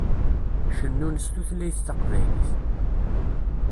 Cennun s tutlayt taqbaylit.